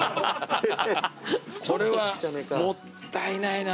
これはもったいないな。